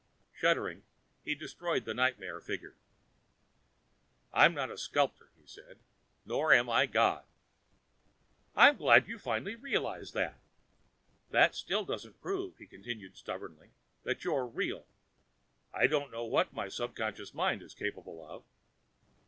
Shuddering, he destroyed the nightmare figure. "I'm not a sculptor," he said. "Nor am I God." "I'm glad you finally realize that." "That still doesn't prove," he continued stubbornly, "that you're real. I don't know what my subconscious mind is capable of."